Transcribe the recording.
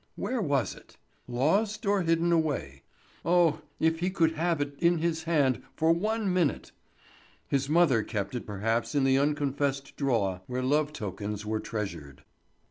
Where was it? Lost, or hidden away? Oh, if he could but have it in his hand for one minute! His mother kept it perhaps in the unconfessed drawer where love tokens were treasured.